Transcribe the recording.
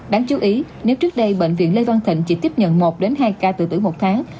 đáng chú ý nếu trước đây bệnh viện lê văn thịnh chỉ tiếp nhận một hai ca từ tuổi một tháng